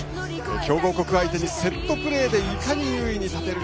強豪国相手に、セットプレーでいかに優位に立てるか。